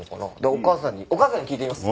お義母さんにお義母さんに聞いてみます。